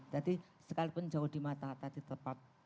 jadi sekalipun jauh di mata tapi tetap di hati